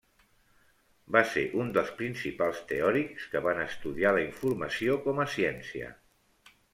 Va ser un dels principals teòrics que van estudiar la informació com a ciència.